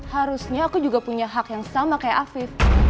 harusnya aku juga punya hak yang sama kayak afif